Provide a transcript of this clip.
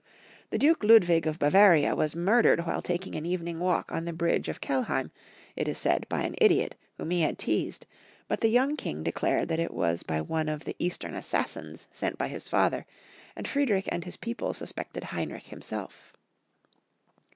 The Duke Ludwig of Bavaria was murdered while tak ing an evening walk on the bridge of Kelheim, it is said, by an idiot, whom he had teased, but the young king declared that it was by one of the Eastern assassins sent by his father, and Friedrich and his people suspected Heinrich himself.